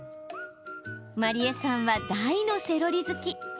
真里絵さんは大のセロリ好き。